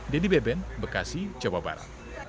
dedy beben bekasi cewabara